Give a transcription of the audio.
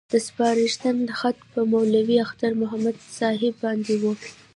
دا سپارښت خط پر مولوي اختر محمد صاحب باندې وو.